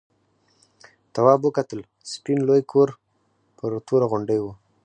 تواب وکتل سپین لوی کور پر توره غونډۍ و.